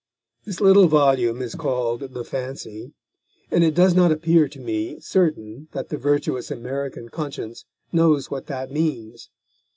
This little volume is called The Fancy, and it does not appear to me certain that the virtuous American conscience know what that means.